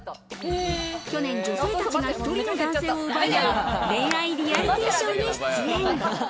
去年、女性たちが１人の男性を奪い合う恋愛リアリティーショーに出演。